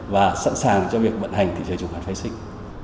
và sẵn sàng cho việc vận hành thị trường chứng khoán phai sinh